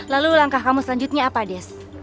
lalu langkah kamu selanjutnya apa des